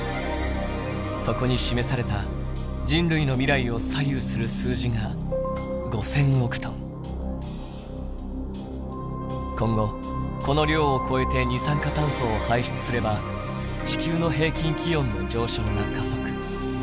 そこに示された人類の未来を左右する数字が今後この量を超えて二酸化炭素を排出すれば地球の平均気温の上昇が加速。